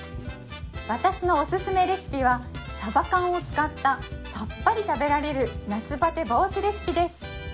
私のオススメレシピはさば缶を使ったさっぱり食べられる夏バテ防止レシピです